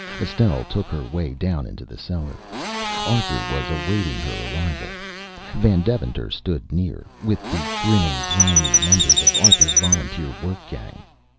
Estelle took her way down into the cellar. Arthur was awaiting her arrival. Van Deventer stood near, with the grinning, grimy members of Arthur's volunteer work gang.